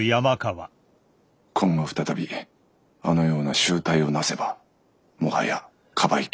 今後再びあのような醜態をなせばもはや庇いきれんぞ。